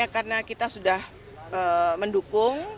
karena kita sudah mendukung